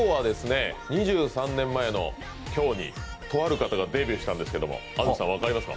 ２３年前の今日にとある方がデビューしたんですけど安住さん分かりますか？